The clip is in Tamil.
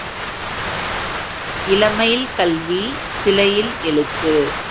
இளமையில் கல்வி சிலையில் எழுத்து.